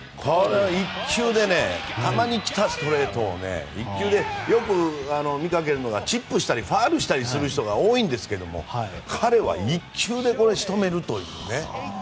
たまにきたストレートを１球でよく見かけるのがチップしたりファウルしたりする人が多いんですけど、彼は１球で仕留めるというね。